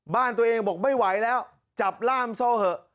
บ้านตัวเองบอกไม่ไหวแล้วจับล่ามโซ่เถอะ